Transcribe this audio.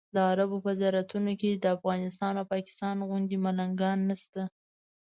د عربو په زیارتونو کې د افغانستان او پاکستان غوندې ملنګان نشته.